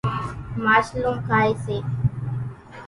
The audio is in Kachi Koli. ماشلون کائيَ سي۔